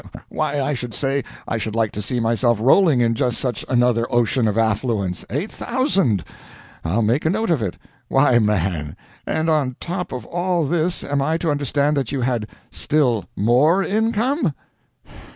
Why, I should say I should like to see myself rolling in just such another ocean of affluence. Eight thousand! I'll make a note of it. Why man! and on top of all this am I to understand that you had still more income?"